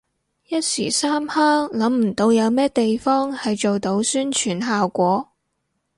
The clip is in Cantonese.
一時三刻諗唔到有咩地方係做到宣傳效果